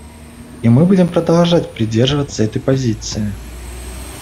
И мы будем продолжать придерживаться этой позиции.